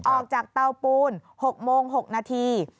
ออกจากเตาปูน๖โมง๖นาที